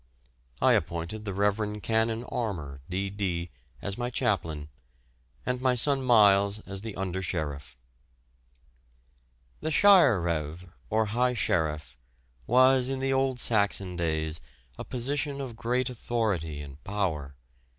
I appointed the Rev. Canon Armour, D.D., as my chaplain, and my son Miles as the under sheriff. The Shire reve, or high sheriff, was in the old Saxon days a position of great authority and power.